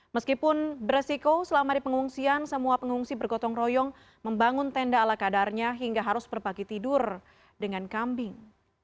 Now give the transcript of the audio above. meskipun beresiko selama di pengungsian semua pengungsi bergotong royong membangun tenda ala kadarnya hingga harus berbagi tidur dengan kambing